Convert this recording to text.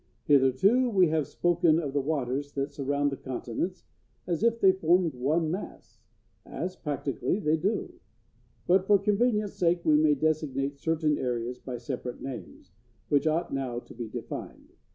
Hitherto we have spoken of the waters that surround the continents as if they formed one mass, as, practically, they do; but for convenience sake we may designate certain areas by separate names, which ought now to be defined.